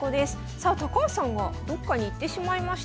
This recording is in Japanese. さあ高橋さんがどっかに行ってしまいました。